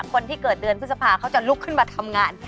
คนที่เกิดเดือนพฤษภาเขาจะลุกขึ้นมาทำงาน